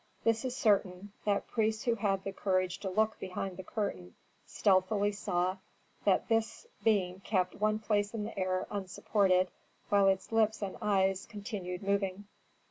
This is certain, that priests who had the courage to look behind the curtain stealthily saw that this being kept one place in the air unsupported while its lips and eyes continued moving.